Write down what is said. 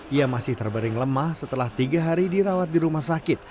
ia masih terbering lemah setelah tiga hari dirawat di rumah sakit